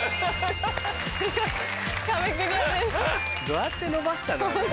どうやって伸ばしたのあれ。